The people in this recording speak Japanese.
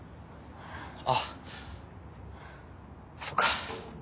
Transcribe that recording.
あっそうか。